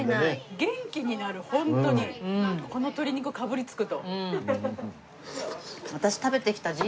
元気になるホントにこの鶏肉かぶりつくと。